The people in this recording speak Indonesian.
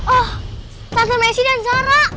oh tante messi dan zara